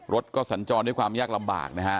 รถก็สัญจรด้วยความยากลำบากนะฮะ